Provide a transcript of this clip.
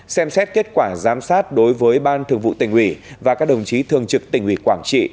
xem xét kết quả giám sát đối với ban thường vụ tỉnh ủy và các đồng chí thường trực tỉnh ủy quảng trị